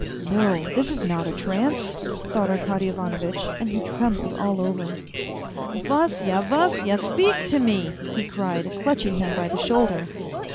" No, this is not a trance," thought Arkady Ivanovitch, and he trembled all over. " Vasya, Vasya, speak to me," he cried, clutching him by the shoulder.